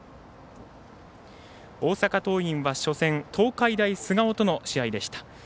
大阪桐蔭は初戦東海大菅生との試合でした。